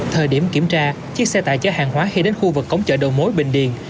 thời điểm kiểm tra chiếc xe tải chở hàng hóa khiến đến khu vực cổng chở đầu mối bình điền